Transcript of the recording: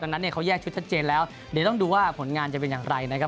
ดังนั้นเนี่ยเขาแยกชุดชัดเจนแล้วเดี๋ยวต้องดูว่าผลงานจะเป็นอย่างไรนะครับ